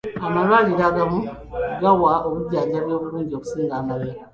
Amalwaliro agamu gawa obujjanjabi obulungi okusinga amalala.